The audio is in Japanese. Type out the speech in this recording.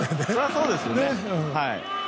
そうですね。